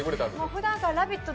ふだんから「ラヴィット！」